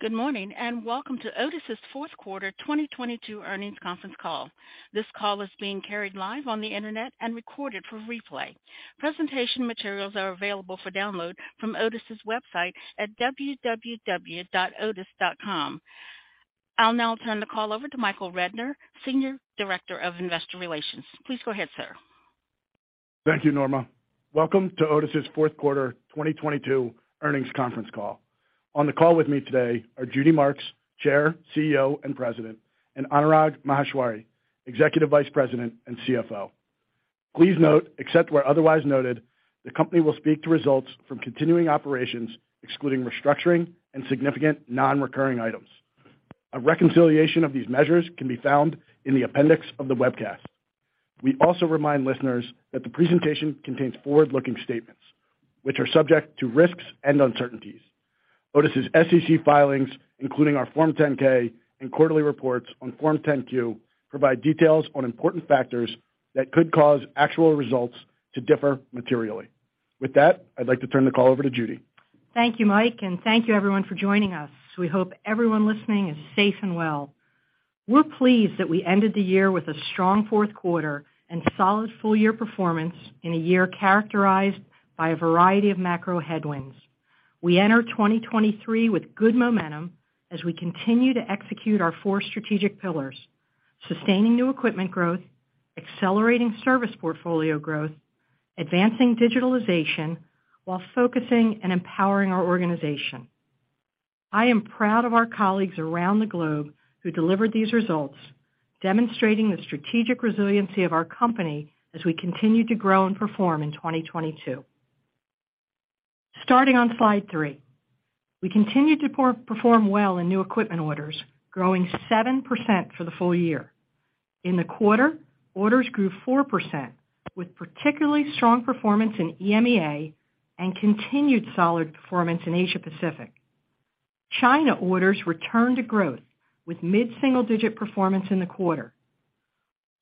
Good morning, welcome to Otis' Fourth Quarter 2022 Earnings Conference Call. This call is being carried live on the internet and recorded for replay. Presentation materials are available for download from Otis' website at www.otis.com. I'll now turn the call over to Michael Rednor, Senior Director of Investor Relations. Please go ahead, sir. Thank you, Norma. Welcome to Otis' Fourth Quarter 2022 Earnings Conference Call. On the call with me today are Judy Marks, Chair, CEO, and President, and Anurag Maheshwari, Executive Vice President and CFO. Please note, except where otherwise noted, the company will speak to results from continuing operations, excluding restructuring and significant non-recurring items. A reconciliation of these measures can be found in the appendix of the webcast. We also remind listeners that the presentation contains forward-looking statements, which are subject to risks and uncertainties. Otis' SEC filings, including our Form 10-K and quarterly reports on Form 10-Q, provide details on important factors that could cause actual results to differ materially. With that, I'd like to turn the call over to Judy. Thank you, Mike, and thank you everyone for joining us. We hope everyone listening is safe and well. We're pleased that we ended the year with a strong fourth quarter and solid full year performance in a year characterized by a variety of macro headwinds. We enter 2023 with good momentum as we continue to execute our four strategic pillars: sustaining new equipment growth, accelerating service portfolio growth, advancing digitalization, while focusing and empowering our organization. I am proud of our colleagues around the globe who delivered these results, demonstrating the strategic resiliency of our company as we continued to grow and perform in 2022. Starting on slide 3. We continued to perform well in new equipment orders, growing 7% for the full year. In the quarter, orders grew 4%, with particularly strong performance in EMEA and continued solid performance in Asia Pacific. China orders returned to growth with mid-single digit performance in the quarter.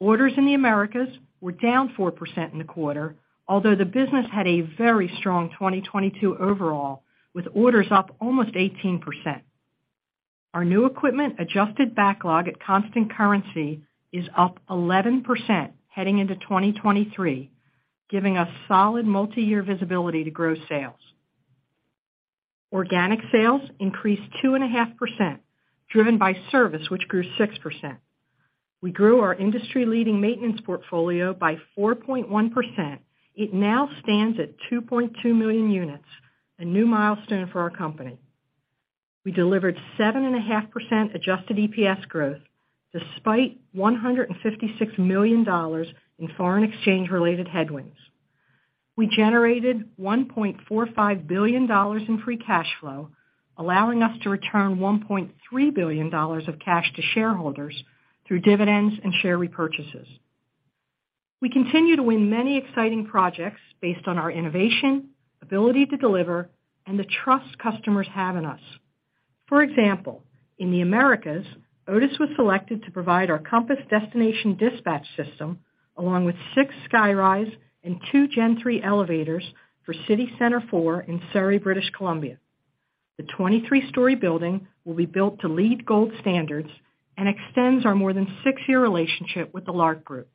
Orders in the Americas were down 4% in the quarter, although the business had a very strong 2022 overall, with orders up almost 18%. Our new equipment adjusted backlog at constant currency is up 11% heading into 2023, giving us solid multi-year visibility to grow sales. Organic sales increased 2.5%, driven by service, which grew 6%. We grew our industry-leading maintenance portfolio by 4.1%. It now stands at 2.2 million units, a new milestone for our company. We delivered 7.5% adjusted EPS growth despite $156 million in foreign exchange-related headwinds. We generated $1.45 billion in free cash flow, allowing us to return $1.3 billion of cash to shareholders through dividends and share repurchases. We continue to win many exciting projects based on our innovation, ability to deliver, and the trust customers have in us. For example, in the Americas, Otis was selected to provide our Compass destination dispatch system along with 6 SkyRise and 2 Gen3 elevators for City Centre Four in Surrey, British Columbia. The 23-story building will be built to LEED Gold standards and extends our more than 6-year relationship with the Lark Group.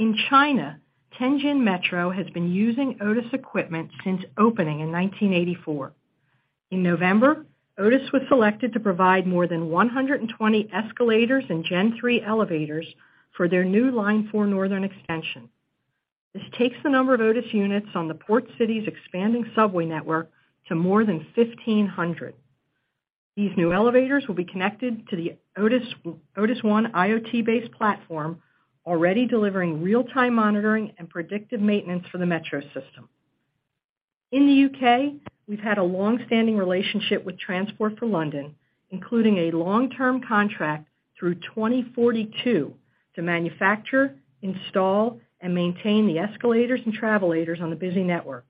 In China, Tianjin Metro has been using Otis equipment since opening in 1984. In November, Otis was selected to provide more than 120 escalators and Gen3 elevators for their new Line 4 Northern extension. This takes the number of Otis units on the port city's expanding subway network to more than 1,500. These new elevators will be connected to the Otis ONE IoT-based platform, already delivering real-time monitoring and predictive maintenance for the metro system. In the U.K., we've had a long-standing relationship with Transport for London, including a long-term contract through 2042 to manufacture, install, and maintain the escalators and travelators on the busy network.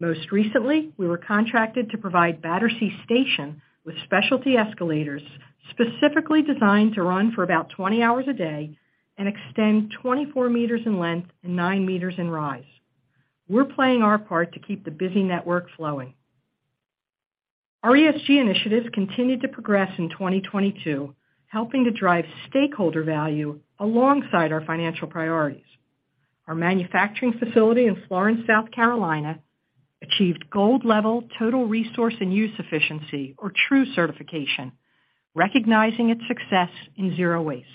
Most recently, we were contracted to provide Battersea Station with specialty escalators specifically designed to run for about 20 hours a day and extend 24 meters in length and 9 meters in rise. We're playing our part to keep the busy network flowing. Our ESG initiatives continued to progress in 2022, helping to drive stakeholder value alongside our financial priorities. Our manufacturing facility in Florence, South Carolina achieved gold-level Total Resource Use and Efficiency, or TRUE certification, recognizing its success in zero waste.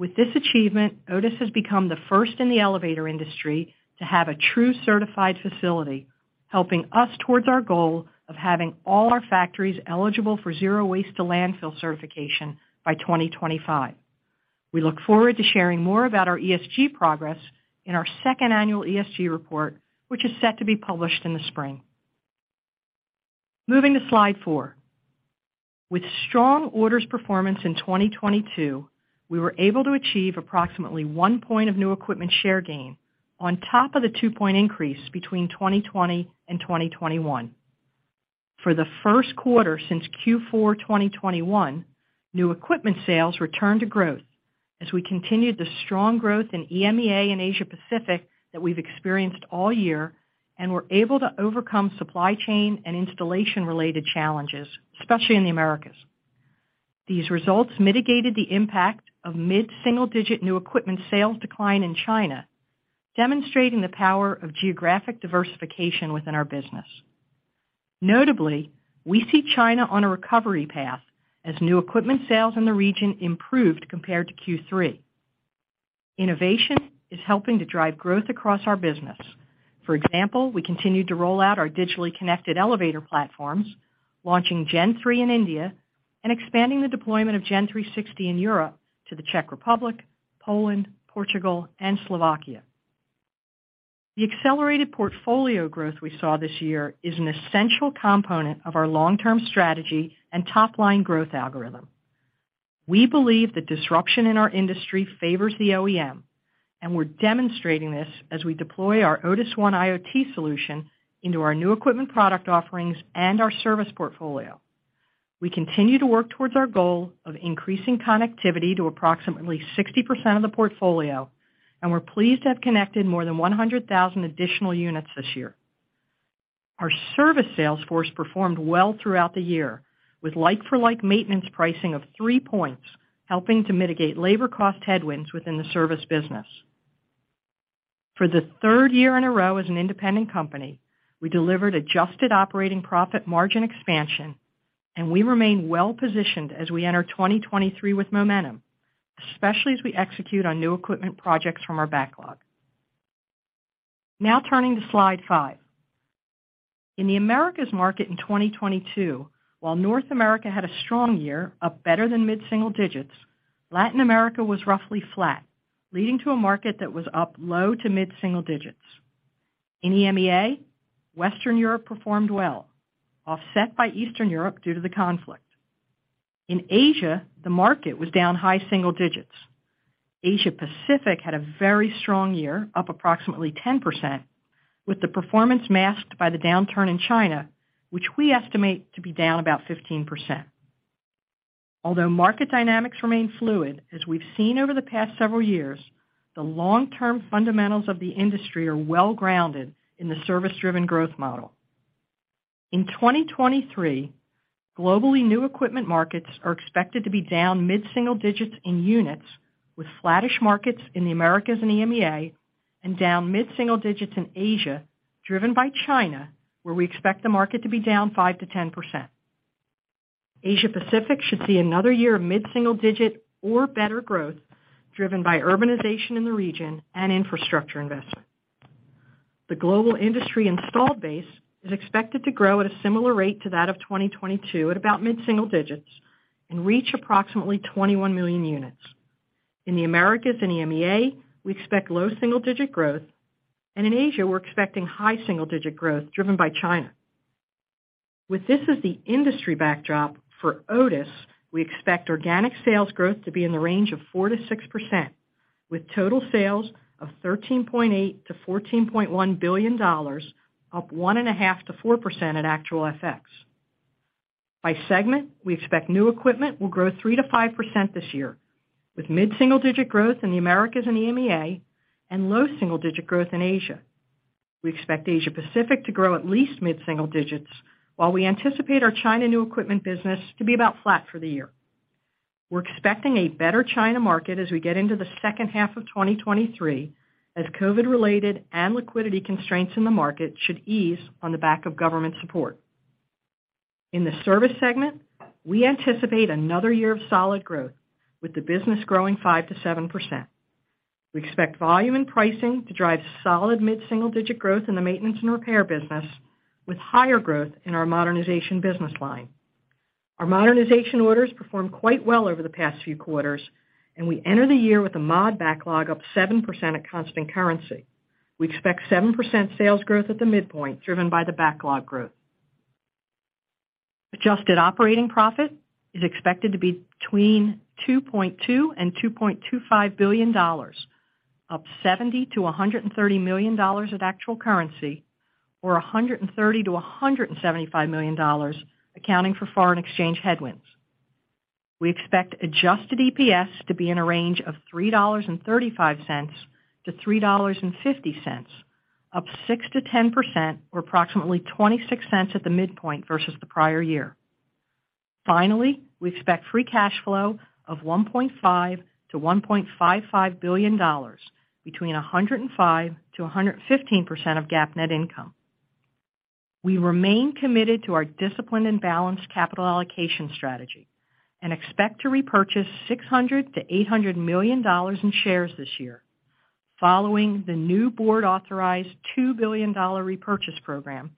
With this achievement, Otis has become the first in the elevator industry to have a TRUE-certified facility, helping us towards our goal of having all our factories eligible for zero waste to landfill certification by 2025. We look forward to sharing more about our ESG progress in our second annual ESG report, which is set to be published in the spring. Moving to slide 4. With strong orders performance in 2022, we were able to achieve approximately 1 point of new equipment share gain on top of the 2-point increase between 2020 and 2021. For the first quarter since Q4 2021, new equipment sales returned to growth. As we continued the strong growth in EMEA and Asia Pacific that we've experienced all year, we're able to overcome supply chain and installation-related challenges, especially in the Americas. These results mitigated the impact of mid-single-digit new equipment sales decline in China, demonstrating the power of geographic diversification within our business. Notably, we see China on a recovery path as new equipment sales in the region improved compared to Q3. Innovation is helping to drive growth across our business. For example, we continued to roll out our digitally connected elevator platforms, launching Gen3 in India and expanding the deployment of Gen360 in Europe to the Czech Republic, Poland, Portugal, and Slovakia. The accelerated portfolio growth we saw this year is an essential component of our long-term strategy and top-line growth algorithm. We believe that disruption in our industry favors the OEM. We're demonstrating this as we deploy our Otis ONE IoT solution into our new equipment product offerings and our service portfolio. We continue to work towards our goal of increasing connectivity to approximately 60% of the portfolio. We're pleased to have connected more than 100,000 additional units this year. Our service sales force performed well throughout the year, with like-for-like maintenance pricing of 3 points, helping to mitigate labor cost headwinds within the service business. For the third year in a row as an independent company, we delivered adjusted operating profit margin expansion. We remain well-positioned as we enter 2023 with momentum, especially as we execute on new equipment projects from our backlog. Now turning to slide 5. In the Americas market in 2022, while North America had a strong year, up better than mid-single digits, Latin America was roughly flat, leading to a market that was up low to mid-single digits. In EMEA, Western Europe performed well, offset by Eastern Europe due to the conflict. In Asia, the market was down high single digits. Asia Pacific had a very strong year, up approximately 10%, with the performance masked by the downturn in China, which we estimate to be down about 15%. Although market dynamics remain fluid, as we've seen over the past several years, the long-term fundamentals of the industry are well grounded in the service-driven growth model. In 2023, globally new equipment markets are expected to be down mid-single digits in units, with flattish markets in the Americas and EMEA and down mid-single digits in Asia, driven by China, where we expect the market to be down 5%-10%. Asia Pacific should see another year of mid-single digit or better growth driven by urbanization in the region and infrastructure investment. The global industry installed base is expected to grow at a similar rate to that of 2022 at about mid-single digits and reach approximately 21 million units. In the Americas and EMEA, we expect low single-digit growth, and in Asia, we're expecting high single-digit growth driven by China. With this as the industry backdrop for Otis, we expect organic sales growth to be in the range of 4%-6%, with total sales of $13.8 billion-$14.1 billion, up 1.5%-4% at actual FX. By segment, we expect new equipment will grow 3%-5% this year, with mid-single-digit growth in the Americas and EMEA and low single-digit growth in Asia. We expect Asia Pacific to grow at least mid-single digits, while we anticipate our China new equipment business to be about flat for the year. We're expecting a better China market as we get into the second half of 2023, as COVID-related and liquidity constraints in the market should ease on the back of government support. In the service segment, we anticipate another year of solid growth with the business growing 5%-7%. We expect volume and pricing to drive solid mid-single-digit growth in the maintenance and repair business, with higher growth in our modernization business line. Our modernization orders performed quite well over the past few quarters, and we enter the year with a mod backlog up 7% at constant currency. We expect 7% sales growth at the midpoint, driven by the backlog growth. Adjusted operating profit is expected to be between $2.2 billion and $2.25 billion, up $70 million-$130 million at actual currency, or $130 million-$175 million, accounting for foreign exchange headwinds. We expect adjusted EPS to be in a range of $3.35-$3.50, up 6%-10% or approximately $0.26 at the midpoint versus the prior year. Finally, we expect free cash flow of $1.5 billion-$1.55 billion between 105%-115% of GAAP net income. We remain committed to our disciplined and balanced capital allocation strategy and expect to repurchase $600 million-$800 million in shares this year, following the new board-authorized $2 billion repurchase program,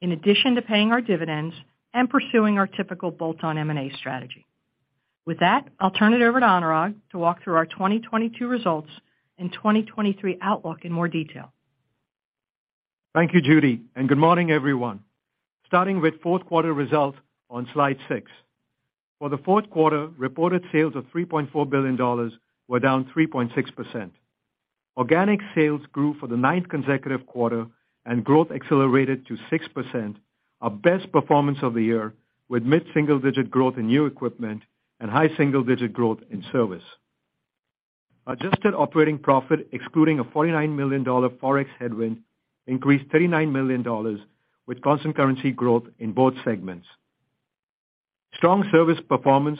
in addition to paying our dividends and pursuing our typical bolt-on M&A strategy. With that, I'll turn it over to Anurag to walk through our 2022 results and 2023 outlook in more detail. Thank you, Judy, good morning, everyone. Starting with fourth quarter results on slide 6. For the fourth quarter, reported sales of $3.4 billion were down 3.6%. Organic sales grew for the ninth consecutive quarter and growth accelerated to 6%, our best performance of the year, with mid-single-digit growth in new equipment and high single-digit growth in service. Adjusted operating profit, excluding a $49 million Forex headwind, increased $39 million with constant currency growth in both segments. Strong service performance,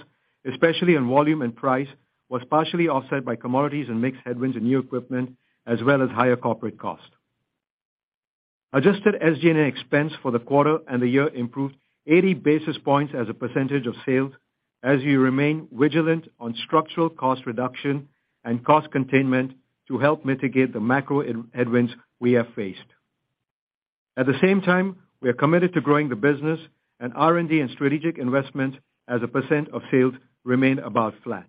especially in volume and price, was partially offset by commodities and mixed headwinds in new equipment, as well as higher corporate costs. Adjusted SG&A expense for the quarter and the year improved 80 basis points as a % of sales as we remain vigilant on structural cost reduction and cost containment to help mitigate the macro headwinds we have faced. At the same time, we are committed to growing the business and R&D and strategic investment as a % of sales remain about flat.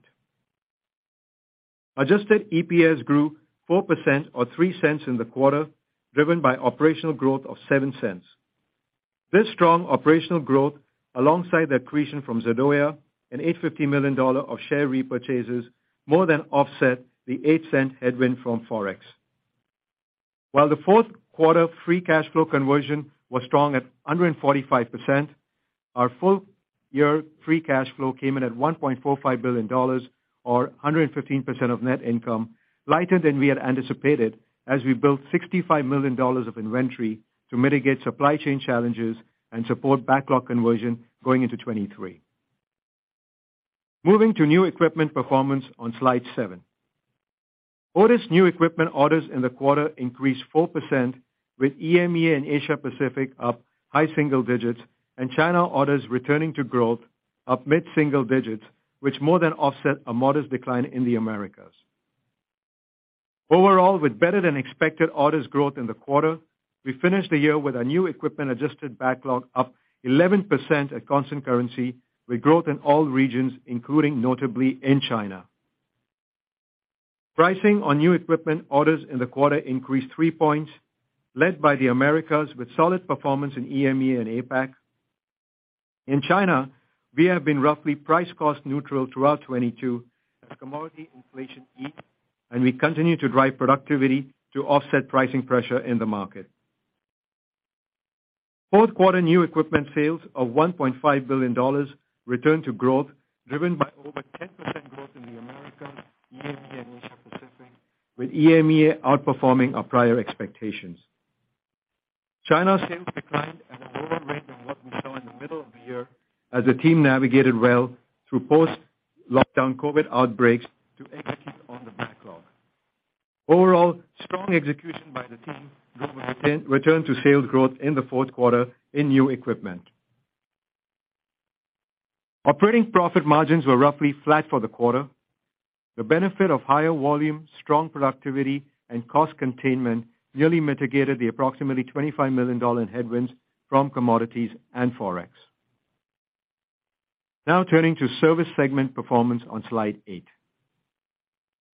Adjusted EPS grew 4% or $0.03 in the quarter, driven by operational growth of $0.07. This strong operational growth, alongside the accretion from Zardoya Otis and $850 million of share repurchases, more than offset the $0.08 headwind from Forex. While the fourth quarter free cash flow conversion was strong at 145%, our full year free cash flow came in at $1.45 billion or 115% of net income, lighter than we had anticipated as we built $65 million of inventory to mitigate supply chain challenges and support backlog conversion going into 2023. Moving to new equipment performance on slide 7. Otis new equipment orders in the quarter increased 4% with EMEA and Asia-Pacific up high-single digits and China orders returning to growth up mid-single digits, which more than offset a modest decline in the Americas. Overall, with better than expected orders growth in the quarter, we finished the year with our new equipment adjusted backlog up 11% at constant currency with growth in all regions, including notably in China. Pricing on new equipment orders in the quarter increased 3 points, led by the Americas with solid performance in EMEA and APAC. In China, we have been roughly price cost neutral throughout 2022 as commodity inflation eased, and we continue to drive productivity to offset pricing pressure in the market. Fourth quarter new equipment sales of $1.5 billion returned to growth, driven by over 10% growth in the Americas, EMEA, and Asia-Pacific, with EMEA outperforming our prior expectations. China sales declined at a lower rate than what we saw in the middle of the year as the team navigated well through post-lockdown COVID outbreaks to execute on the backlog. Overall, strong execution by the team drove a return to sales growth in the fourth quarter in new equipment. Operating profit margins were roughly flat for the quarter. The benefit of higher volume, strong productivity, and cost containment nearly mitigated the approximately $25 million headwinds from commodities and Forex. Now turning to service segment performance on slide 8.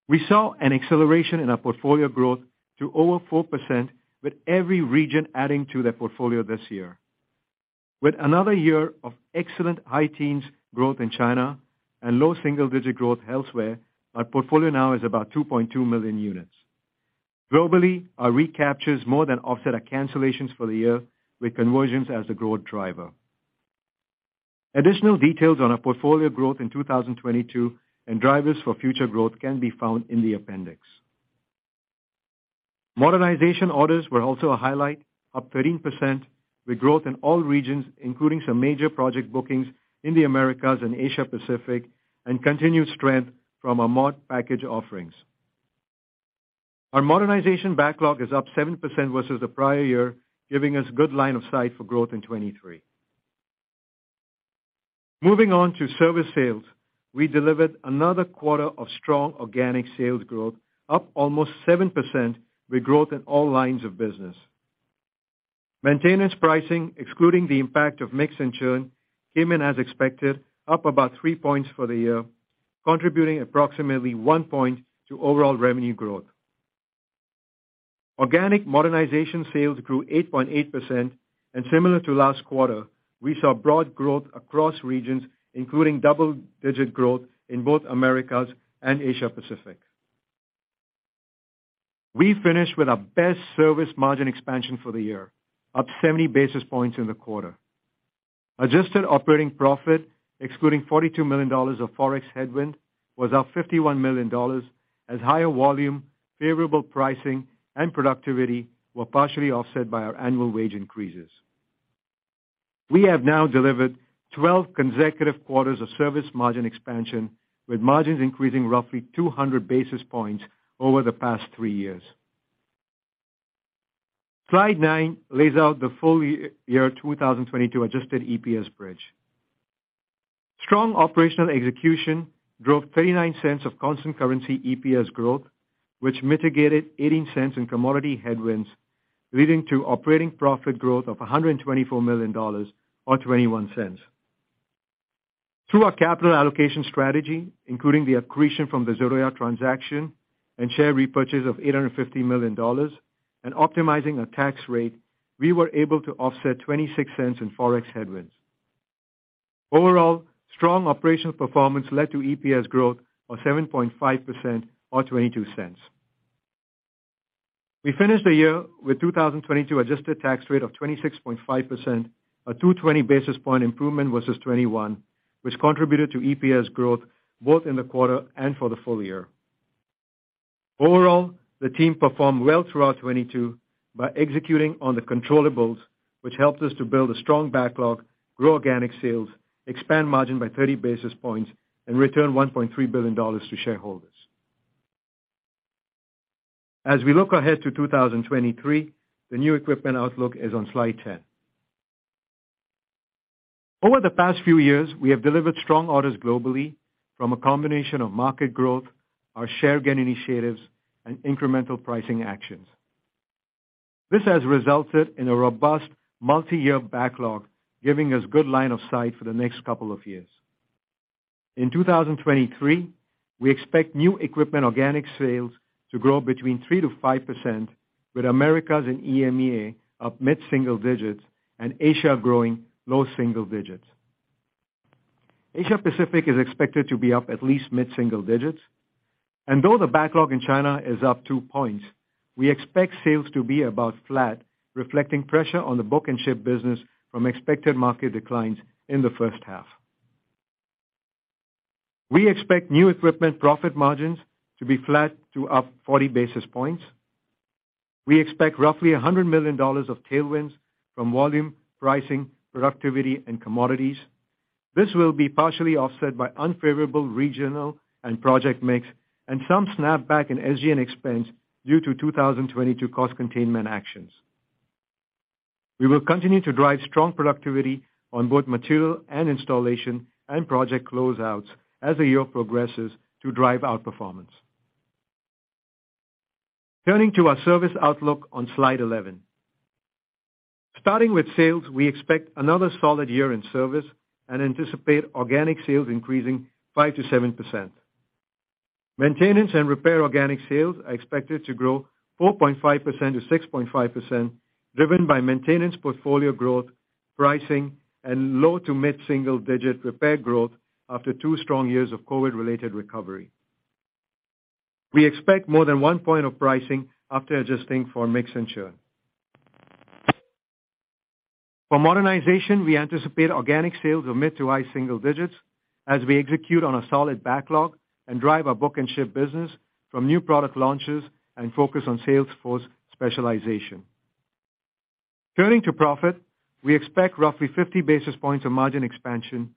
We saw an acceleration in our portfolio growth to over 4% with every region adding to their portfolio this year. With another year of excellent high teens growth in China and low single-digit growth elsewhere, our portfolio now is about 2.2 million units. Globally, our recaptures more than offset our cancellations for the year with conversions as the growth driver. Additional details on our portfolio growth in 2022 and drivers for future growth can be found in the appendix. Modernization orders were also a highlight, up 13% with growth in all regions, including some major project bookings in the Americas and Asia-Pacific, and continued strength from our mod package offerings. Our modernization backlog is up 7% versus the prior year, giving us good line of sight for growth in 2023. Moving on to service sales. We delivered another quarter of strong organic sales growth, up almost 7% with growth in all lines of business. Maintenance pricing, excluding the impact of mix and churn, came in as expected, up about 3 points for the year, contributing approximately 1 point to overall revenue growth. Organic modernization sales grew 8.8%. Similar to last quarter, we saw broad growth across regions, including double-digit growth in both Americas and Asia-Pacific. We finished with our best service margin expansion for the year, up 70 basis points in the quarter. Adjusted operating profit, excluding $42 million of Forex headwind, was up $51 million as higher volume, favorable pricing, and productivity were partially offset by our annual wage increases. We have now delivered 12 consecutive quarters of service margin expansion, with margins increasing roughly 200 basis points over the past 3 years. Slide 9 lays out the full year 2022 adjusted EPS bridge. Strong operational execution drove $0.39 of constant currency EPS growth, which mitigated $0.18 in commodity headwinds, leading to operating profit growth of $124 million or $0.21. Through our capital allocation strategy, including the accretion from the Zardoya transaction and share repurchase of $850 million and optimizing our tax rate, we were able to offset $0.26 in Forex headwinds. Overall, strong operational performance led to EPS growth of 7.5% or $0.22. We finished the year with 2022 adjusted tax rate of 26.5%, a 220 basis point improvement versus 2021, which contributed to EPS growth both in the quarter and for the full year. Overall, the team performed well throughout 2022 by executing on the controllables, which helped us to build a strong backlog, grow organic sales, expand margin by 30 basis points, and return $1.3 billion to shareholders. As we look ahead to 2023, the new equipment outlook is on slide 10. Over the past few years, we have delivered strong orders globally from a combination of market growth, our share gain initiatives, and incremental pricing actions. This has resulted in a robust multi-year backlog, giving us good line of sight for the next couple of years. In 2023, we expect new equipment organic sales to grow between 3%-5%, with Americas and EMEA up mid-single digits and Asia growing low-single digits. Asia Pacific is expected to be up at least mid-single digits. Though the backlog in China is up 2 points, we expect sales to be about flat, reflecting pressure on the book and ship business from expected market declines in the first half. We expect new equipment profit margins to be flat to up 40 basis points. We expect roughly $100 million of tailwinds from volume, pricing, productivity, and commodities. This will be partially offset by unfavorable regional and project mix and some snapback in SG&A expense due to 2022 cost containment actions. We will continue to drive strong productivity on both material and installation and project closeouts as the year progresses to drive outperformance. Turning to our service outlook on slide 11. Starting with sales, we expect another solid year in service and anticipate organic sales increasing 5%-7%. Maintenance and repair organic sales are expected to grow 4.5%-6.5%, driven by maintenance portfolio growth, pricing, and low- to mid-single-digit repair growth after two strong years of COVID-related recovery. We expect more than 1 point of pricing after adjusting for mix and churn. For modernization, we anticipate organic sales of mid- to high-single digits as we execute on a solid backlog and drive our book and ship business from new product launches and focus on sales force specialization. Turning to profit, we expect roughly 50 basis points of margin expansion.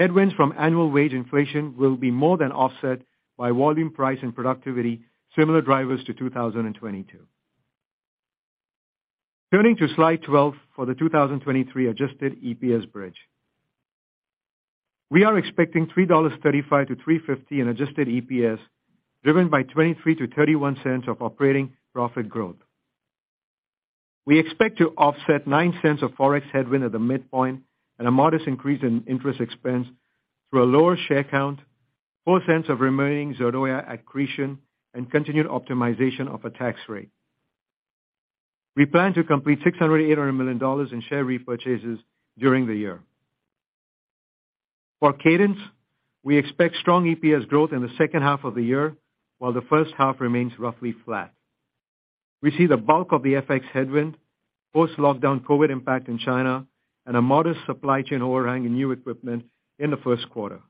Headwinds from annual wage inflation will be more than offset by volume price and productivity, similar drivers to 2022. Turning to slide 12 for the 2023 adjusted EPS bridge. We are expecting $3.35-$3.50 in adjusted EPS, driven by $0.23-$0.31 of operating profit growth. We expect to offset $0.09 of Forex headwind at the midpoint and a modest increase in interest expense through a lower share count, $0.04 of remaining Zardoya accretion, and continued optimization of a tax rate. We plan to complete $600 million-$800 million in share repurchases during the year. For cadence, we expect strong EPS growth in the second half of the year, while the first half remains roughly flat. We see the bulk of the FX headwind, post-lockdown COVID impact in China, and a modest supply chain overhang in new equipment in the first quarter.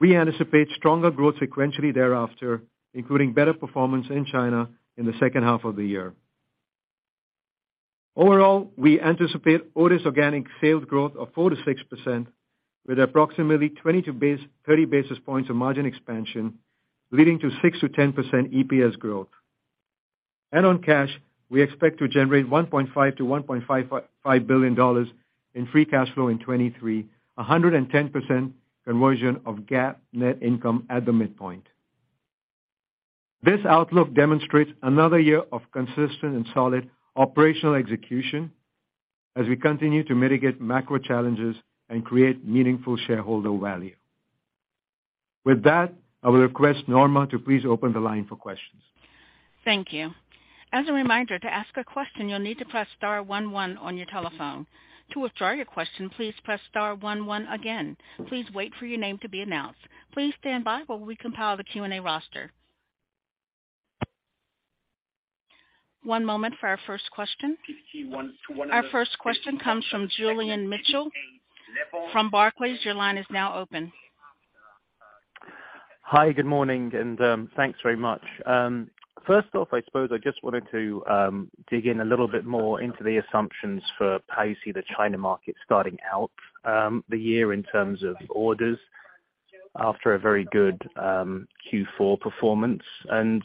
We anticipate stronger growth sequentially thereafter, including better performance in China in the second half of the year. Overall, we anticipate Otis organic sales growth of 4%-6% with approximately 20-30 basis points of margin expansion, leading to 6%-10% EPS growth. On cash, we expect to generate $1.5 billion-$1.55 billion in free cash flow in 2023, 110% conversion of GAAP net income at the midpoint. This outlook demonstrates another year of consistent and solid operational execution as we continue to mitigate macro challenges and create meaningful shareholder value. With that, I will request Norma to please open the line for questions. Thank you. As a reminder, to ask a question, you'll need to press star one one on your telephone. To withdraw your question, please press star one one again. Please wait for your name to be announced. Please stand by while we compile the Q&A roster. One moment for our first question. Our first question comes from Julian Mitchell from Barclays. Your line is now open. Hi, good morning, and thanks very much. First off, I suppose I just wanted to dig in a little bit more into the assumptions for how you see the China market starting out the year in terms of orders after a very good Q4 performance.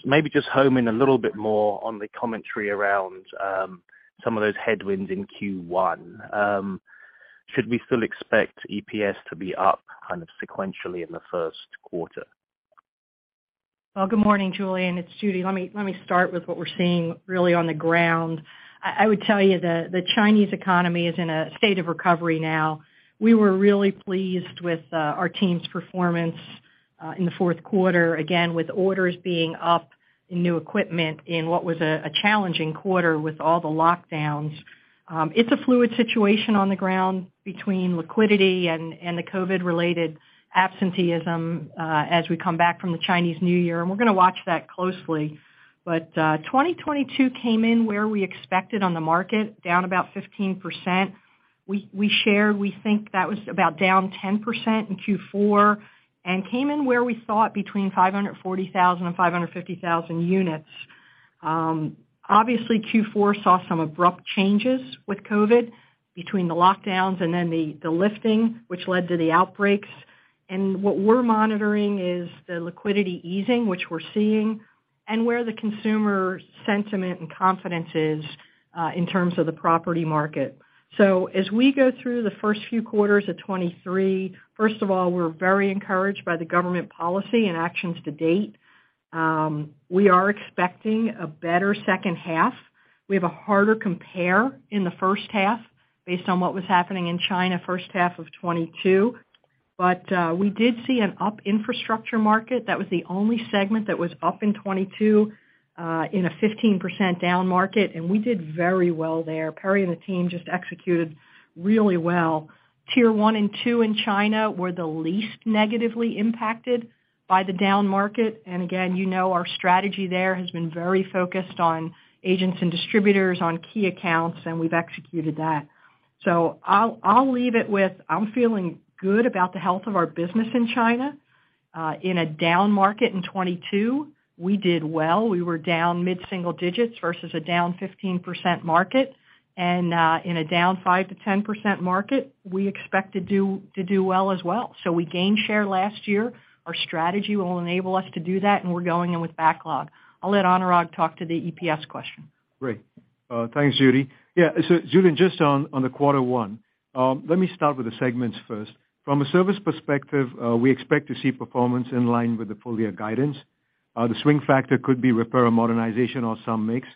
Maybe just home in a little bit more on the commentary around some of those headwinds in Q1. Should we still expect EPS to be up kind of sequentially in the first quarter? Well, good morning, Julian. It's Judy. Let me start with what we're seeing really on the ground. I would tell you the Chinese economy is in a state of recovery now. We were really pleased with our team's performance. In the 4th quarter, again, with orders being up in new equipment in what was a challenging quarter with all the lockdowns. It's a fluid situation on the ground between liquidity and the COVID-related absenteeism, as we come back from the Chinese New Year, and we're gonna watch that closely. 2022 came in where we expected on the market, down about 15%. We shared, we think that was about down 10% in Q4, and came in where we thought between 540,000 and 550,000 units. Obviously, Q4 saw some abrupt changes with COVID between the lockdowns and then the lifting, which led to the outbreaks. What we're monitoring is the liquidity easing, which we're seeing, and where the consumer sentiment and confidence is in terms of the property market. As we go through the first few quarters of 2023, first of all, we're very encouraged by the government policy and actions to date. We are expecting a better second half. We have a harder compare in the first half based on what was happening in China first half of 2022. We did see an up infrastructure market. That was the only segment that was up in 2022 in a 15% down market, and we did very well there. Perry and the team just executed really well. Tier 1 and 2 in China were the least negatively impacted by the down market. Again, you know our strategy there has been very focused on agents and distributors, on key accounts, and we've executed that. I'll leave it with, I'm feeling good about the health of our business in China. In a down market in 2022, we did well. We were down mid-single digits versus a down 15% market. In a down 5%-10% market, we expect to do well as well. We gained share last year. Our strategy will enable us to do that, and we're going in with backlog. I'll let Anurag talk to the EPS question. Great. Thanks, Judy. Judy, just on the quarter one, let me start with the segments first. From a service perspective, we expect to see performance in line with the full year guidance. The swing factor could be repair and modernization or some mix.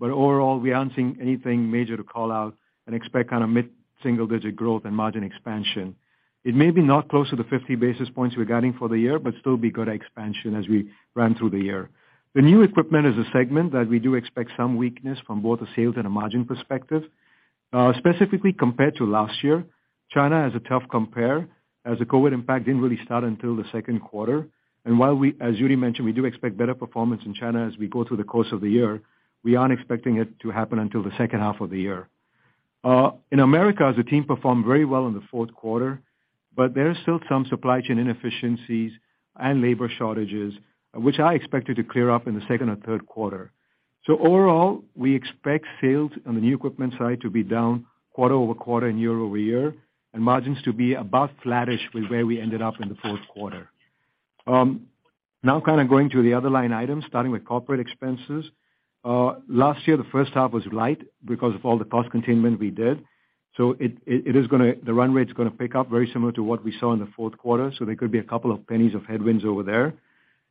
Overall, we aren't seeing anything major to call out and expect kind of mid-single digit growth and margin expansion. It may be not close to the 50 basis points we're guiding for the year, but still be good expansion as we run through the year. The new equipment is a segment that we do expect some weakness from both a sales and a margin perspective. Specifically compared to last year, China has a tough compare as the COVID impact didn't really start until the second quarter. While we, as Judy mentioned, we do expect better performance in China as we go through the course of the year, we aren't expecting it to happen until the second half of the year. In America, the team performed very well in the fourth quarter, but there are still some supply chain inefficiencies and labor shortages, which I expected to clear up in the second or third quarter. Overall, we expect sales on the new equipment side to be down quarter-over-quarter and year-over-year, and margins to be about flattish with where we ended up in the fourth quarter. Now kind of going through the other line items, starting with corporate expenses. Last year, the first half was light because of all the cost containment we did. It is gonna the run rate's gonna pick up very similar to what we saw in the fourth quarter, so there could be a couple of pennies of headwinds over there.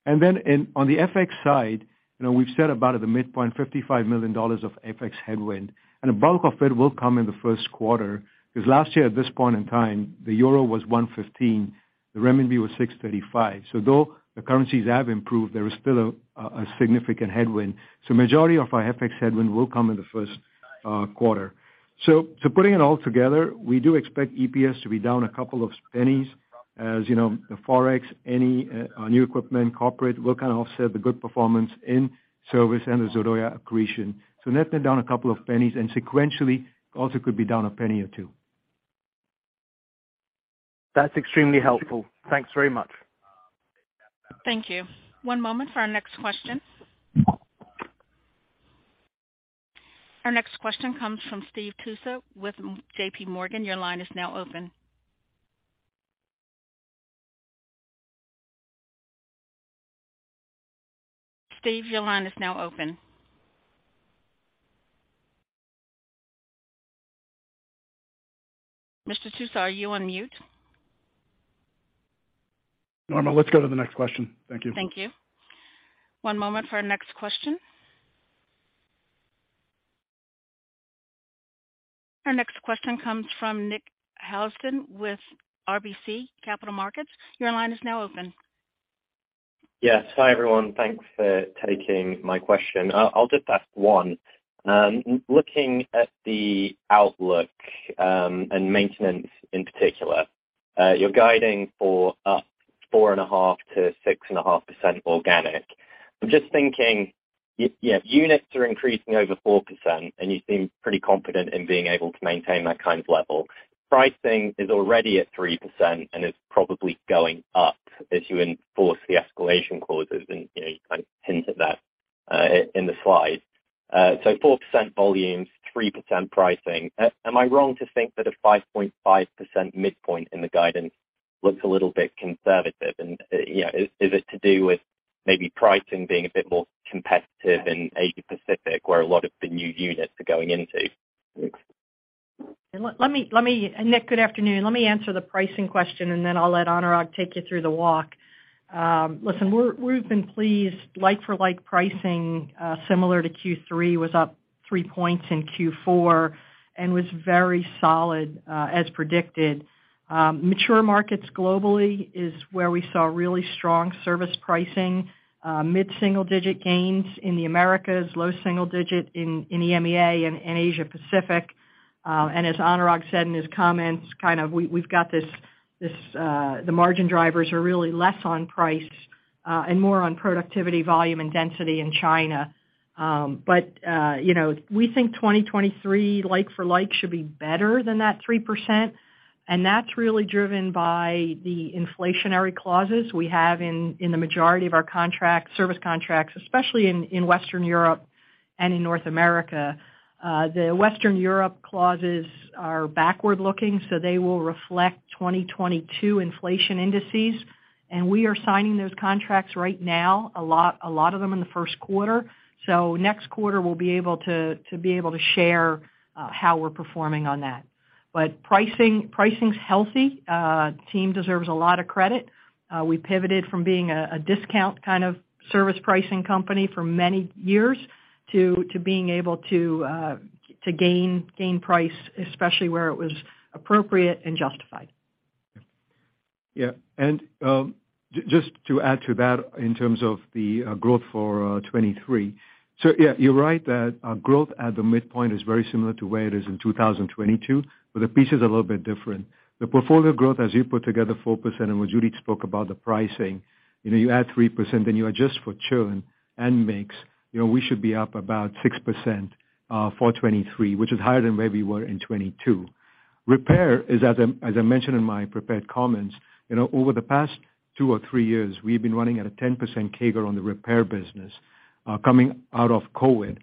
On the FX side, you know, we've said about at the midpoint, $55 million of FX headwind, and the bulk of it will come in the first quarter, because last year at this point in time, the euro was 1.15, the renminbi was 6.35. Though the currencies have improved, there is still a significant headwind. Majority of our FX headwind will come in the first quarter. Putting it all together, we do expect EPS to be down a couple of pennies as, you know, the Forex, any new equipment, corporate will kind of offset the good performance in service and the Zardoya accretion. Net, they're down a couple of pennies, and sequentially, also could be down a penny or two. That's extremely helpful. Thanks very much. Thank you. One moment for our next question. Our next question comes from Steve Tusa with JP Morgan. Your line is now open. Steve, your line is now open. Mr. Tusa, are you on mute? Norma, let's go to the next question. Thank you. Thank you. One moment for our next question. Our next question comes from Nick Housden with RBC Capital Markets. Your line is now open. Yes. Hi, everyone. Thanks for taking my question. I'll just ask one. looking at the outlook, and maintenance in particular, you're guiding for up 4.5%-6.5% organic. I'm just thinking yeah, units are increasing over 4%, and you seem pretty confident in being able to maintain that kind of level. Pricing is already at 3% and is probably going up as you enforce the escalation clauses, and, you know, you kind of hinted that in the slide. Four percent volumes, 3% pricing. Am I wrong to think that a 5.5% midpoint in the guidance looks a little bit conservative? You know, is it to do with maybe pricing being a bit more competitive in Asia Pacific, where a lot of the new units are going into? Nick, good afternoon. Let me answer the pricing question, and then I'll let Anurag take you through the walk. Listen, we've been pleased like-for-like pricing, similar to Q3, was up 3 points in Q4 and was very solid, as predicted. Mature markets globally is where we saw really strong service pricing, mid-single-digit gains in the Americas, low-single digit in EMEA and Asia Pacific. As Anurag said in his comments, we've got this the margin drivers are really less on price, and more on productivity, volume and density in China. You know, we think 2023, like for like, should be better than that 3%, and that's really driven by the inflationary clauses we have in the majority of our contract, service contracts, especially in Western Europe and in North America. The Western Europe clauses are backward-looking, they will reflect 2022 inflation indices. We are signing those contracts right now, a lot of them in the first quarter. Next quarter, we'll be able to share how we're performing on that. Pricing's healthy. Team deserves a lot of credit. We pivoted from being a discount kind of service pricing company for many years to being able to gain price, especially where it was appropriate and justified. Yeah. Just to add to that in terms of the growth for 23. Yeah, you're right that growth at the midpoint is very similar to where it is in 2022, but the piece is a little bit different. The portfolio growth, as you put together 4% and what Judy spoke about the pricing, you know, you add 3%, then you adjust for churn and mix, you know, we should be up about 6% for 23, which is higher than where we were in 22. Repair is, as I mentioned in my prepared comments, you know, over the past two or three years, we've been running at a 10% CAGR on the repair business coming out of COVID.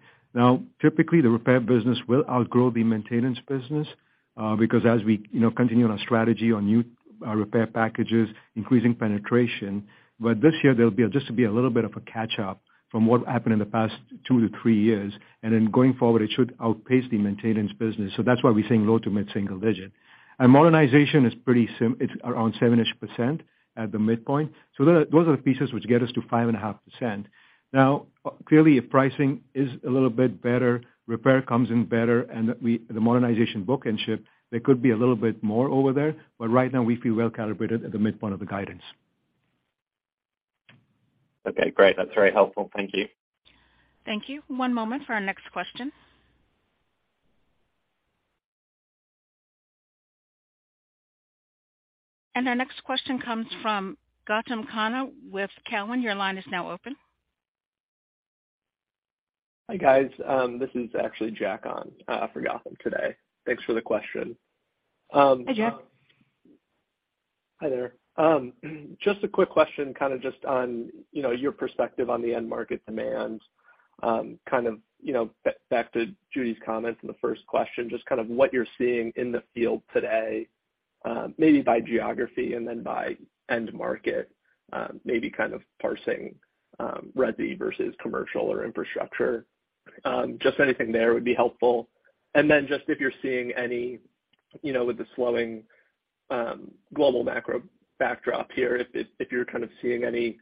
Typically, the repair business will outgrow the maintenance business, because as we, you know, continue on our strategy on new repair packages, increasing penetration. This year, there'll be, just to be a little bit of a catch-up from what happened in the past 2-3 years. Going forward, it should outpace the maintenance business. That's why we're saying low to mid-single-digit. Modernization is pretty, it's around 7%-ish at the midpoint. Those are the pieces which get us to 5.5%. Clearly, if pricing is a little bit better, repair comes in better, and the modernization book and ship, there could be a little bit more over there, but right now we feel well calibrated at the midpoint of the guidance. Okay, great. That's very helpful. Thank you. Thank you. One moment for our next question. Our next question comes from Gautam Khanna with Cowen. Your line is now open. Hi, guys. This is actually Jack on, for Gautam today. Thanks for the question. Hi, Jack. Hi there. Just a quick question, kinda just on, you know, your perspective on the end market demand. Kind of, you know, back to Judy's comments in the first question, just kind of what you're seeing in the field today, maybe by geography and then by end market, maybe kind of parsing, resi versus commercial or infrastructure. Just anything there would be helpful. Then just if you're seeing any, you know, with the slowing global macro backdrop here, if, if you're kind of seeing any,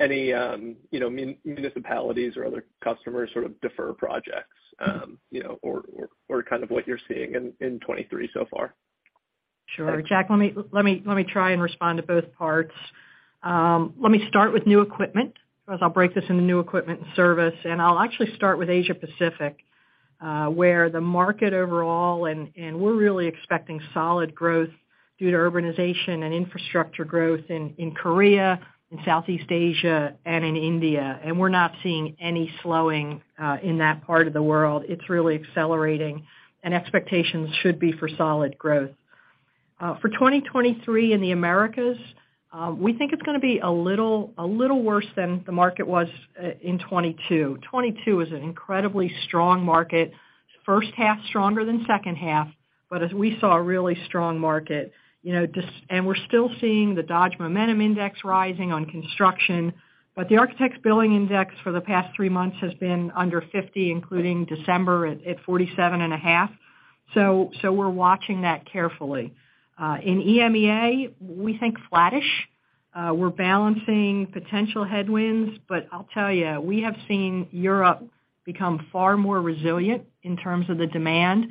you know, municipalities or other customers sort of defer projects, you know, or kind of what you're seeing in 2023 so far? Sure. Jack, let me try and respond to both parts. Let me start with new equipment, 'cause I'll break this into new equipment and service, and I'll actually start with Asia Pacific, where the market overall and we're really expecting solid growth due to urbanization and infrastructure growth in Korea and Southeast Asia and in India. We're not seeing any slowing in that part of the world. It's really accelerating, and expectations should be for solid growth. For 2023 in the Americas, we think it's gonna be a little worse than the market was in 2022. 2022 was an incredibly strong market, first half stronger than second half, but as we saw a really strong market, you know, and we're still seeing the Dodge Momentum Index rising on construction, but the Architecture Billings Index for the past 3 months has been under 50, including December at 47.5. We're watching that carefully. In EMEA, we think flattish. We're balancing potential headwinds, but I'll tell you, we have seen Europe become far more resilient in terms of the demand,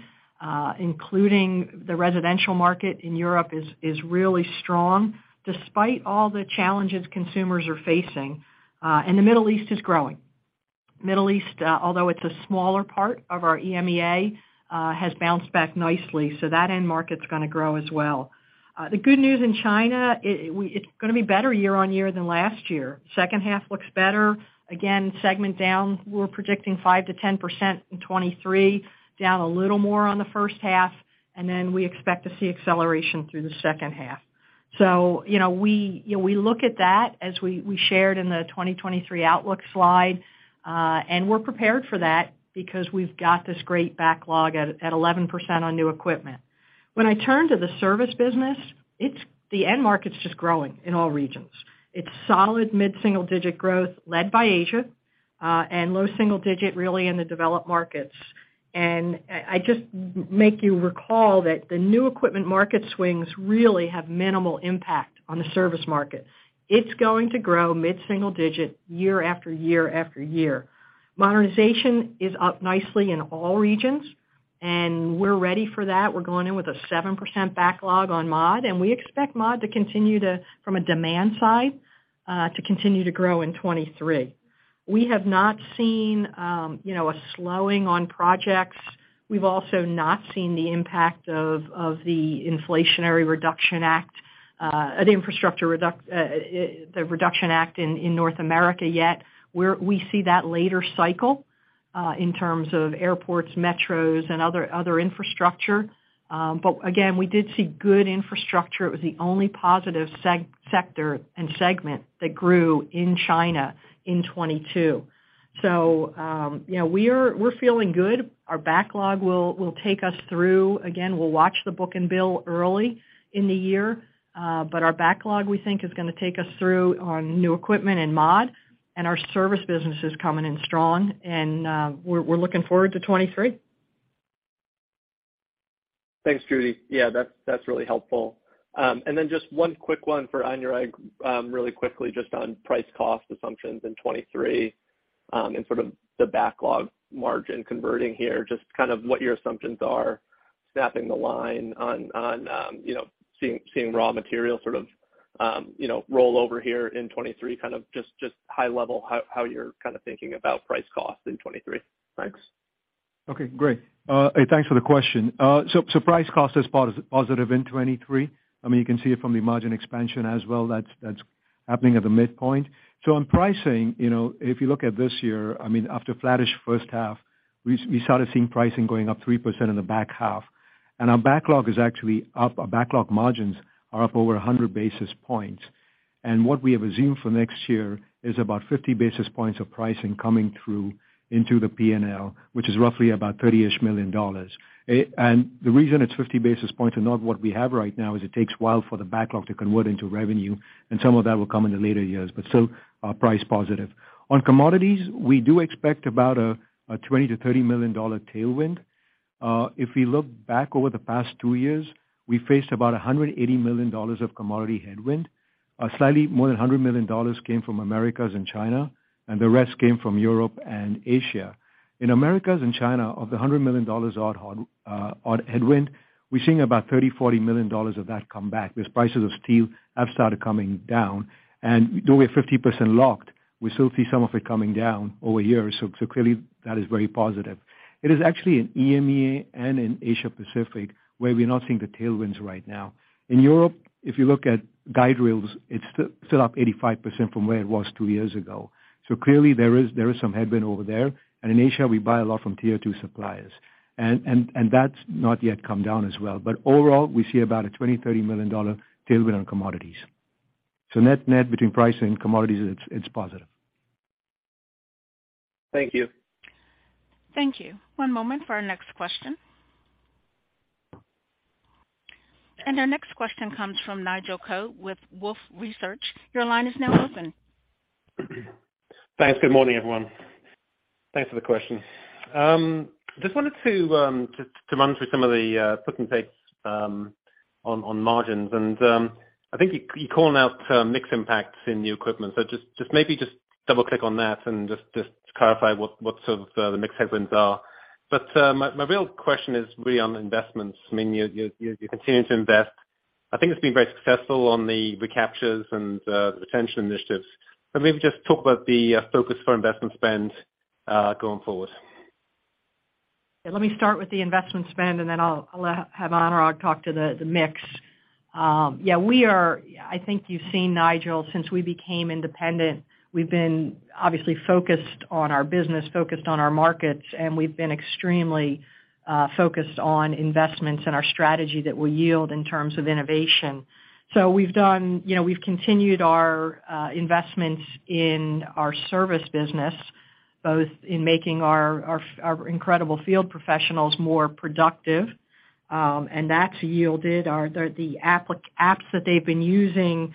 including the residential market in Europe is really strong despite all the challenges consumers are facing. The Middle East is growing. Middle East, although it's a smaller part of our EMEA, has bounced back nicely, so that end market's gonna grow as well. The good news in China, it's gonna be better year-over-year than last year. Second half looks better. Again, segment down, we're predicting 5%-10% in 2023, down a little more on the first half, and then we expect to see acceleration through the second half. You know, we, you know, we look at that as we shared in the 2023 outlook slide, and we're prepared for that because we've got this great backlog at 11% on new equipment. When I turn to the service business, the end market's just growing in all regions. It's solid mid-single-digit growth led by Asia, and low-single-digit really in the developed markets. I just make you recall that the new equipment market swings really have minimal impact on the service market. It's going to grow mid-single digit year after year after year. Modernization is up nicely in all regions. We're ready for that. We're going in with a 7% backlog on mod, and we expect mod to continue to grow in 2023. We have not seen, you know, a slowing on projects. We've also not seen the impact of the Inflation Reduction Act, the Infrastructure Reduction Act in North America yet, where we see that later cycle, in terms of airports, metros, and other infrastructure. Again, we did see good infrastructure. It was the only positive sector and segment that grew in China in 2022. You know, we're feeling good. Our backlog will take us through. Again, we'll watch the book and bill early in the year, but our backlog, we think, is gonna take us through on new equipment and mod, and our service business is coming in strong and, we're looking forward to 23. Thanks, Judy. Yeah, that's really helpful. Just one quick one for Anurag, really quickly, just on price cost assumptions in 23, and sort of the backlog margin converting here, just kind of what your assumptions are snapping the line on, you know, seeing raw material sort of, you know, roll over here in 23, kind of just high level how you're kinda thinking about price cost in 23. Thanks. Okay, great. thanks for the question. so price cost is positive in 23. I mean, you can see it from the margin expansion as well. That's happening at the midpoint. On pricing, you know, if you look at this year, I mean, after flattish first half, we started seeing pricing going up 3% in the back half. Our backlog is actually up, our backlog margins are up over 100 basis points. What we have assumed for next year is about 50 basis points of pricing coming through into the P&L, which is roughly about $30-ish million. the reason it's 50 basis points and not what we have right now is it takes a while for the backlog to convert into revenue, and some of that will come in the later years, but still, price positive. On commodities, we do expect about a $20 million-$30 million tailwind. If we look back over the past two years, we faced about a $180 million of commodity headwind. Slightly more than $100 million came from Americas and China, and the rest came from Europe and Asia. In Americas and China, of the $100 million odd on headwind, we're seeing about $30 million-$40 million of that come back, because prices of steel have started coming down. Though we're 50% locked, we still see some of it coming down over here. Clearly that is very positive. It is actually in EMEA and in Asia Pacific, where we're not seeing the tailwinds right now. In Europe, if you look at guide rails, it's still up 85% from where it was two years ago. Clearly there is some headwind over there. In Asia, we buy a lot from Tier Two suppliers and that's not yet come down as well. Overall, we see about a $20 million-$30 million tailwind on commodities. Net, net between price and commodities, it's positive. Thank you. Thank you. One moment for our next question. Our next question comes from Nigel Coe with Wolfe Research. Your line is now open. Thanks. Good morning, everyone. Thanks for the question. Just wanted to run through some of the puts and takes on margins. I think you call out mix impacts in new equipment. Just maybe double-click on that and clarify what sort of the mix headwinds are. My real question is really on investments. I mean, you continue to invest. I think it's been very successful on the recaptures and the retention initiatives. Maybe just talk about the focus for investment spend going forward. Let me start with the investment spend, then I'll have Anurag talk to the mix. Yeah, I think you've seen, Nigel, since we became independent, we've been obviously focused on our business, focused on our markets, we've been extremely focused on investments and our strategy that will yield in terms of innovation. We've done, you know, we've continued our investments in our service business, both in making our incredible field professionals more productive, that's yielded. The apps that they've been using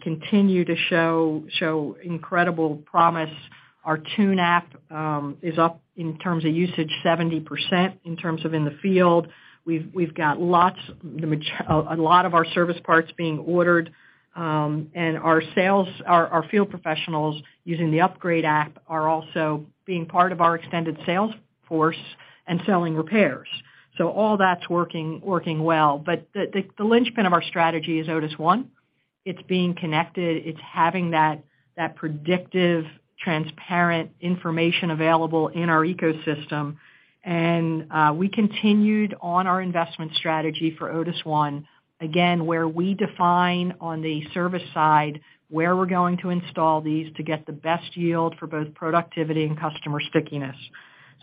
continue to show incredible promise. Our tune app is up in terms of usage 70% in terms of in the field. We've got lots, a lot of our service parts being ordered, and our sales, our field professionals using the upgrade app are also being part of our extended sales force and selling repairs. All that's working well. The linchpin of our strategy is Otis One. It's being connected. It's having that predictive, transparent information available in our ecosystem. We continued on our investment strategy for Otis One, again, where we define on the service side where we're going to install these to get the best yield for both productivity and customer stickiness.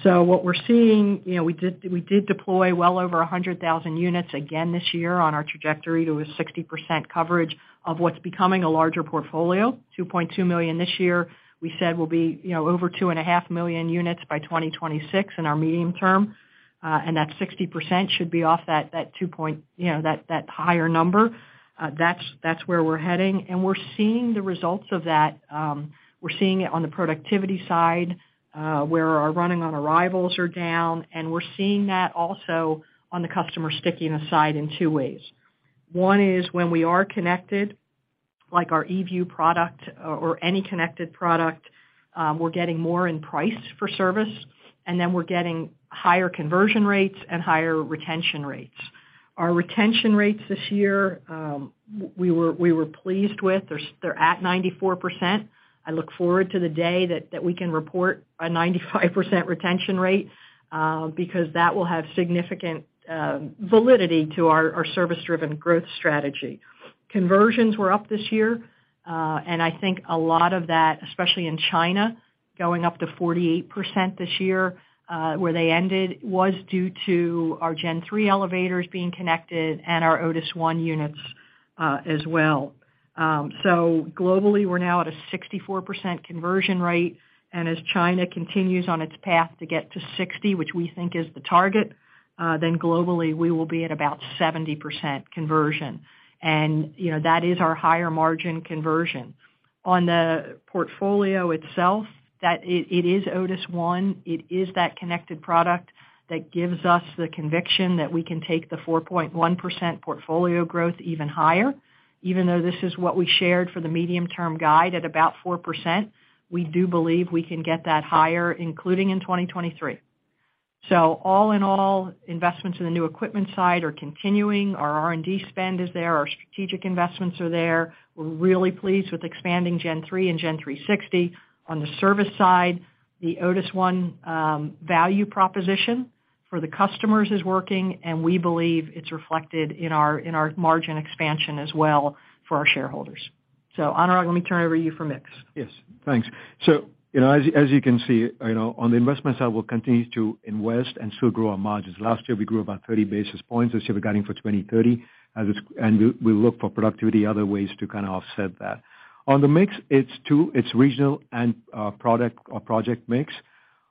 What we're seeing, you know, we did deploy well over 100,000 units again this year on our trajectory to a 60% coverage of what's becoming a larger portfolio, 2.2 million this year. We said we'll be, you know, over 2.5 million units by 2026 in our medium term, and that 60% should be off that 2 point, you know, that higher number. That's, that's where we're heading, and we're seeing the results of that. We're seeing it on the productivity side, where our running on arrivals are down, and we're seeing that also on the customer stickiness side in 2 ways. One is when we are connected-Like our eView product or any connected product, we're getting more in price for service, and then we're getting higher conversion rates and higher retention rates. Our retention rates this year, we were pleased with. They're, they're at 94%. I look forward to the day that we can report a 95% retention rate because that will have significant validity to our service-driven growth strategy. Conversions were up this year, and I think a lot of that, especially in China, going up to 48% this year, where they ended was due to our Gen3 elevators being connected and our Otis ONE units as well. So globally, we're now at a 64% conversion rate, and as China continues on its path to get to 60, which we think is the target, then globally we will be at about 70% conversion. You know, that is our higher margin conversion. On the portfolio itself, that it is Otis ONE, it is that connected product that gives us the conviction that we can take the 4.1% portfolio growth even higher. Even though this is what we shared for the medium-term guide at about 4%, we do believe we can get that higher, including in 2023. All in all, investments in the new equipment side are continuing. Our R&D spend is there. Our strategic investments are there. We're really pleased with expanding Gen3 and Gen360. On the service side, the Otis ONE value proposition for the customers is working, and we believe it's reflected in our, in our margin expansion as well for our shareholders. Anurag, let me turn over to you for mix. Yes. Thanks. You know, as you can see, you know, on the investment side, we'll continue to invest and still grow our margins. Last year, we grew about 30 basis points, which we were guiding for 2030 and we look for productivity other ways to kind of offset that. On the mix, it's two, it's regional and product or project mix.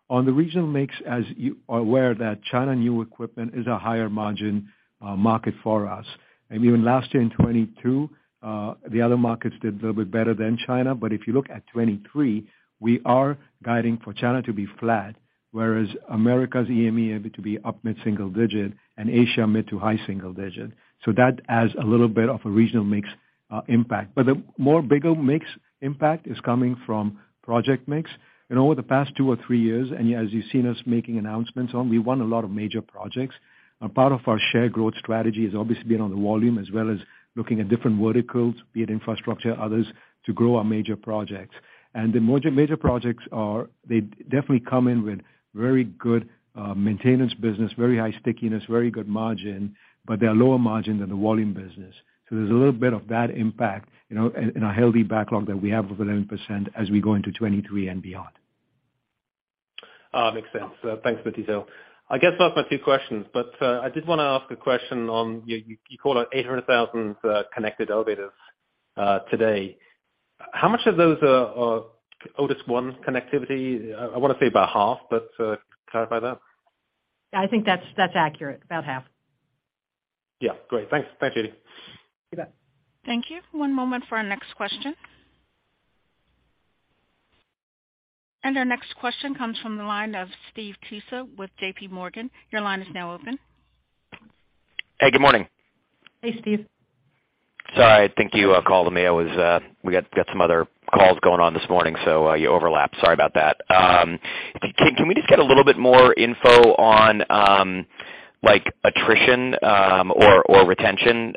On the regional mix, as you are aware that China new equipment is a higher margin market for us. Even last year in 2022, the other markets did a little bit better than China. If you look at 2023, we are guiding for China to be flat, whereas Americas EMEA to be up mid-single digit and Asia mid-high-single digit. That adds a little bit of a regional mix impact. The more bigger mix impact is coming from project mix. Over the past 2 or 3 years, and as you've seen us making announcements on, we won a lot of major projects. A part of our share growth strategy has obviously been on the volume as well as looking at different verticals, be it infrastructure, others, to grow our major projects. The major projects definitely come in with very good maintenance business, very high stickiness, very good margin, but they're lower margin than the volume business. There's a little bit of that impact, you know, in a healthy backlog that we have of 11% as we go into 23 and beyond. Makes sense. Thanks for the detail. I guess that's my two questions, but I did wanna ask a question on you call it 800,000 connected elevators today. How much of those are Otis ONE connectivity? I wanna say about half, but clarify that. I think that's accurate. About half. Yeah. Great. Thanks. Thanks, Judy. You bet. Thank you. One moment for our next question. Our next question comes from the line of Stephen Tusa with JP Morgan. Your line is now open. Hey, good morning. Hey, Steve. Sorry. Thank you, calling me. I was, we got some other calls going on this morning. You overlapped. Sorry about that. Can we just get a little bit more info on, like attrition, or retention,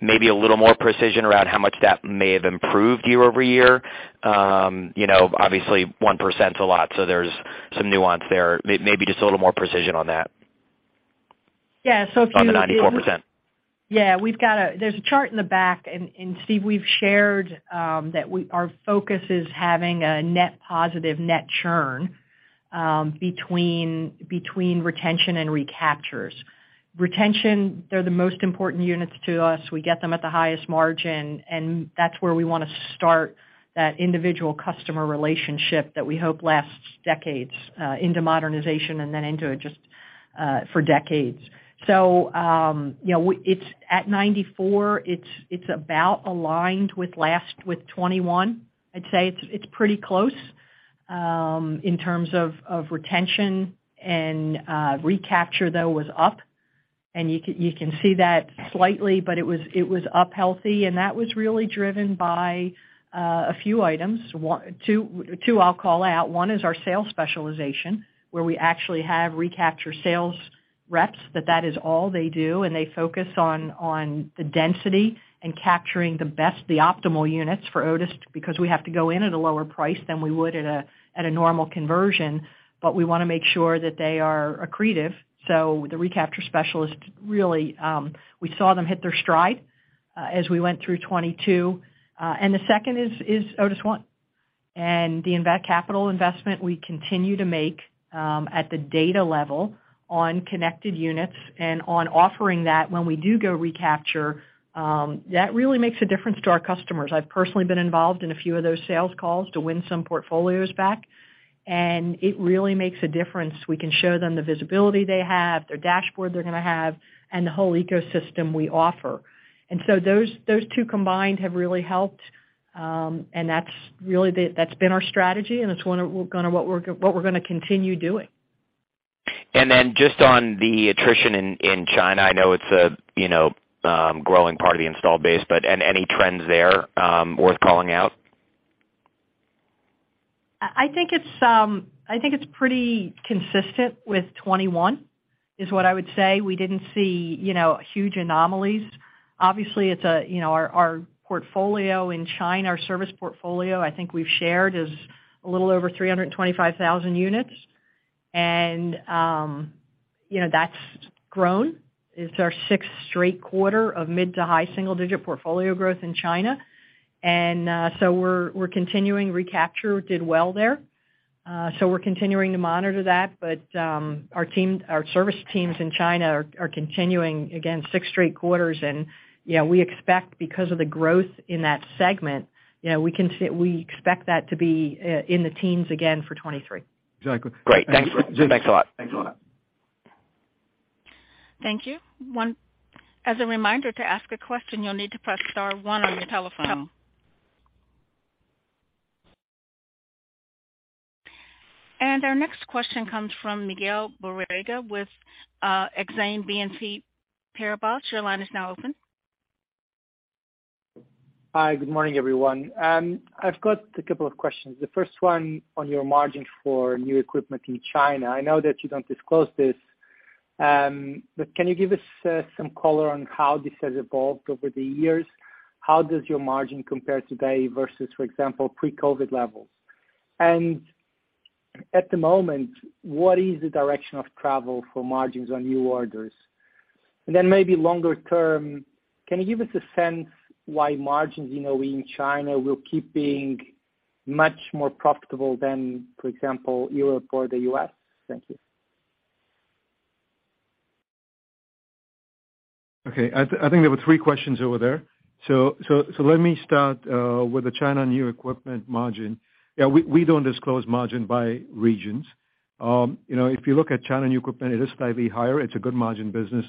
maybe a little more precision around how much that may have improved year-over-year? You know, obviously 1%'s a lot, so there's some nuance there. Maybe just a little more precision on that. Yeah. On the 94%. Yeah. There's a chart in the back and Steve, we've shared, that our focus is having a net positive net churn between retention and recaptures. Retention, they're the most important units to us. We get them at the highest margin, and that's where we wanna start that individual customer relationship that we hope lasts decades, into modernization and then into just for decades. You know, it's at 94, it's about aligned with last with 21. I'd say it's pretty close in terms of retention and recapture though was up. You can see that slightly, but it was up healthy, and that was really driven by a few items. Two I'll call out. One is our sales specialization, where we actually have recapture sales reps, that is all they do, and they focus on the density and capturing the best, the optimal units for Otis because we have to go in at a lower price than we would at a, at a normal conversion, but we wanna make sure that they are accretive. The recapture specialists really, we saw them hit their stride, as we went through 22. The second is Otis ONE and the capital investment we continue to make, at the data level on connected units and on offering that when we do go recapture, that really makes a difference to our customers. I've personally been involved in a few of those sales calls to win some portfolios back. It really makes a difference. We can show them the visibility they have, their dashboard they're gonna have, and the whole ecosystem we offer. Those, those two combined have really helped, and that's been our strategy, and it's what we're gonna continue doing. Then just on the attrition in China, I know it's a, you know, growing part of the installed base, any trends there, worth calling out? I think it's pretty consistent with 2021 is what I would say. We didn't see, you know, huge anomalies. Obviously, you know, our portfolio in China, our service portfolio, I think we've shared, is a little over 325,000 units. you know, that's grown. It's our 6th straight quarter of mid to high single-digit portfolio growth in China. We're continuing. Recapture did well there. We're continuing to monitor that, but our team, our service teams in China are continuing, again, 6 straight quarters. you know, we expect because of the growth in that segment, you know, we expect that to be in the teens again for 2023. Great. Thanks. Thanks a lot. Thank you. As a reminder to ask a question, you'll need to press star one on your telephone. Our next question comes from Miguel Borrega with Exane BNP Paribas. Your line is now open. Hi, good morning, everyone. I've got a couple of questions. The first one on your margin for new equipment in China. I know that you don't disclose this, can you give us some color on how this has evolved over the years? How does your margin compare today versus, for example, pre-COVID levels? At the moment, what is the direction of travel for margins on new orders? Maybe longer term, can you give us a sense why margins, you know, in China will keep being much more profitable than, for example, Europe or the U.S.? Thank you. I think there were three questions over there. Let me start with the China new equipment margin. We don't disclose margin by regions. You know, if you look at China new equipment, it is slightly higher. It's a good margin business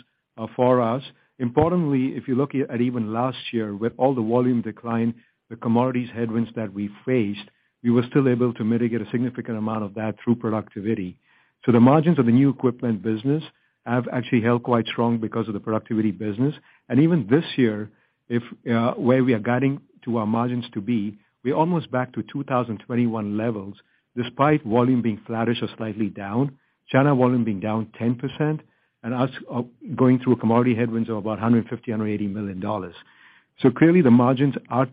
for us. Importantly, if you look at even last year with all the volume decline, the commodities headwinds that we faced, we were still able to mitigate a significant amount of that through productivity. The margins of the new equipment business have actually held quite strong because of the productivity business. Even this year, if where we are guiding to our margins to be, we're almost back to 2021 levels despite volume being flattish or slightly down, China volume being down 10%, and us going through commodity headwinds of about $150 million-$180 million. Clearly, the margins are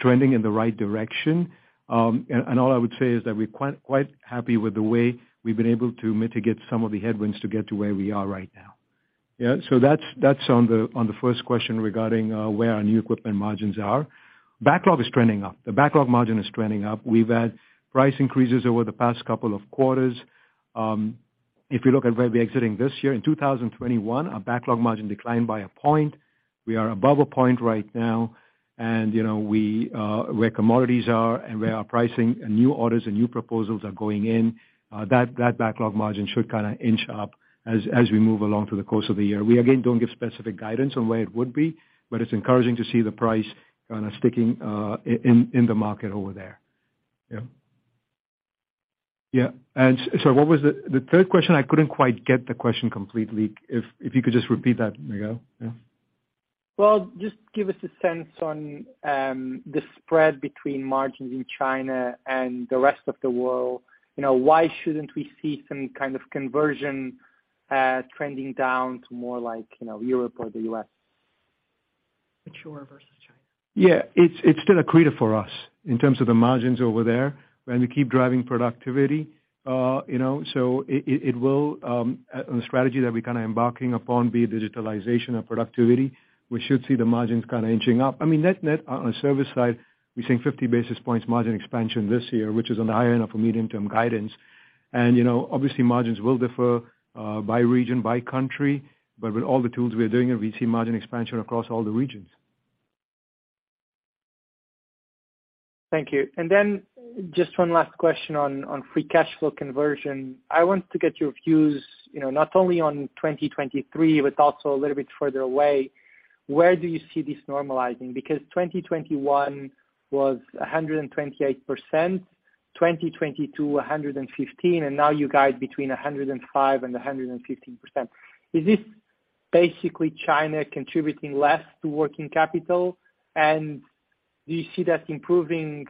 trending in the right direction. And all I would say is that we're quite happy with the way we've been able to mitigate some of the headwinds to get to where we are right now. That's, that's on the, on the first question regarding where our new equipment margins are. Backlog is trending up. The backlog margin is trending up. We've had price increases over the past couple of quarters. If you look at where we're exiting this year, in 2021, our backlog margin declined by a point. We are above a point right now. You know, we, where commodities are and where our pricing and new orders and new proposals are going in, that backlog margin should kind of inch up as we move along through the course of the year. We, again, don't give specific guidance on where it would be, but it's encouraging to see the price kind of sticking, in the market over there. Yeah. What was the third question, I couldn't quite get the question completely. If you could just repeat that, Miguel. Yeah. Well, just give us a sense on, the spread between margins in China and the rest of the world. You know, why shouldn't we see some kind of conversion, trending down to more like, you know, Europe or the U.S.? Mature versus China. Yeah. It's still accretive for us in terms of the margins over there, and we keep driving productivity, you know. It will on the strategy that we're kind of embarking upon, be it digitalization or productivity, we should see the margins kind of inching up. I mean, net-net on a service side, we think 50 basis points margin expansion this year, which is on the higher end of a medium-term guidance. You know, obviously margins will differ by region, by country, but with all the tools we are doing, we see margin expansion across all the regions. Thank you. Just one last question on free cash flow conversion. I want to get your views, you know, not only on 2023 but also a little bit further away. Where do you see this normalizing? Because 2021 was 128%, 2022, 115%, and now you guide between 105% and 115%. Is this basically China contributing less to working capital? Do you see that improving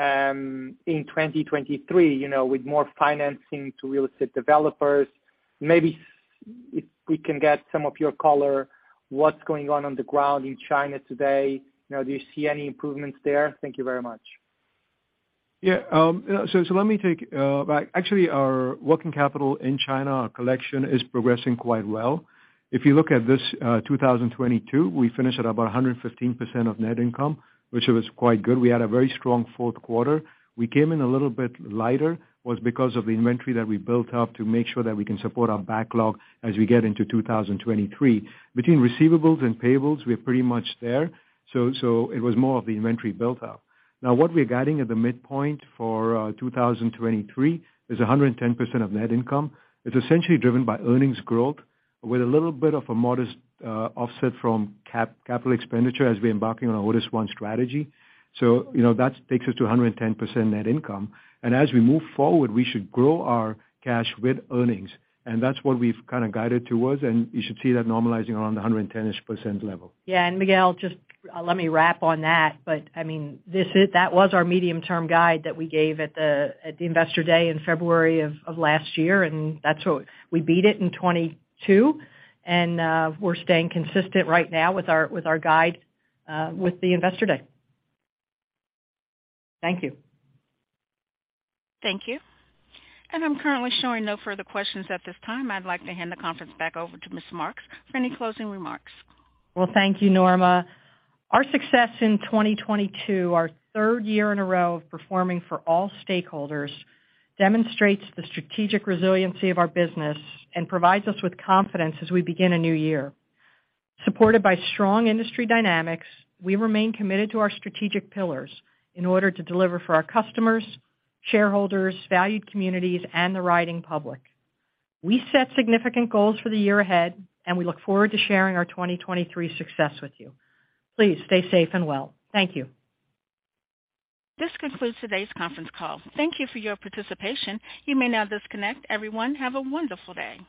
in 2023, you know, with more financing to real estate developers? Maybe if we can get some of your color, what's going on on the ground in China today? You know, do you see any improvements there? Thank you very much. Yeah. Let me take, right. Actually, our working capital in China, our collection is progressing quite well. If you look at this, 2022, we finished at about 115% of net income, which was quite good. We had a very strong fourth quarter. We came in a little bit lighter, was because of the inventory that we built up to make sure that we can support our backlog as we get into 2023. Between receivables and payables, we're pretty much there. It was more of the inventory built up. What we're guiding at the midpoint for 2023 is 110% of net income. It's essentially driven by earnings growth with a little bit of a modest offset from capital expenditure as we're embarking on our Otis ONE strategy. You know, that takes us to 110% net income. As we move forward, we should grow our cash with earnings. That's what we've kind of guided towards, and you should see that normalizing around the 110%-ish level. Yeah. Miguel, just, let me wrap on that. I mean, that was our medium-term guide that we gave at the Investor Day in February of last year, and that's what... We beat it in 2022, we're staying consistent right now with our guide with the Investor Day. Thank you. Thank you. I'm currently showing no further questions at this time. I'd like to hand the conference back over to Ms. Marks for any closing remarks. Well, thank you, Norma. Our success in 2022, our third year in a row of performing for all stakeholders, demonstrates the strategic resiliency of our business and provides us with confidence as we begin a new year. Supported by strong industry dynamics, we remain committed to our strategic pillars in order to deliver for our customers, shareholders, valued communities, and the riding public. We set significant goals for the year ahead. We look forward to sharing our 2023 success with you. Please stay safe and well. Thank you. This concludes today's conference call. Thank you for your participation. You may now disconnect. Everyone, have a wonderful day.